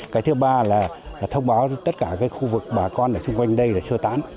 cái thứ ba là thông báo tất cả khu vực bà con ở xung quanh đây là sơ tán